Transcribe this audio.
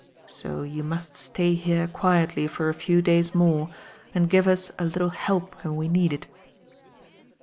So you must stay here quietly for a few days more and give us a little help when we need it."